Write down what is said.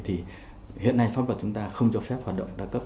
thì hiện nay pháp luật chúng ta không cho phép hoạt động đa cấp